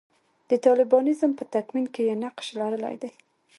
د طالبانیزم په تکوین کې یې نقش لرلی دی.